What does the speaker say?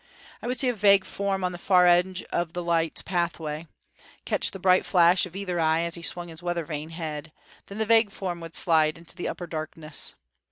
I would see a vague form on the far edge of the light's pathway; catch the bright flash of either eye as he swung his weather vane head; then the vague form would slide into the upper darkness.